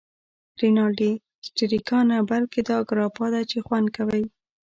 رینالډي: سټریګا نه، بلکې دا ګراپا ده چې خوند کوی.